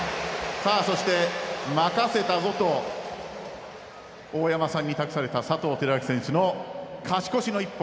そして「任せたぞ」と大山さんに託された佐藤輝明選手の勝ち越しの一本。